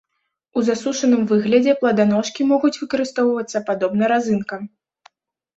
У засушаным выглядзе пладаножкі могуць выкарыстоўвацца падобна разынкам.